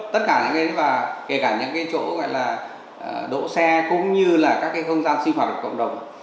tất cả những cái chỗ gọi là độ xe cũng như là các cái không gian sinh hoạt của cộng đồng